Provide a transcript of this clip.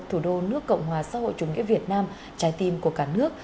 thủ đô nước cộng hòa xã hội chủ nghĩa việt nam trái tim của cả nước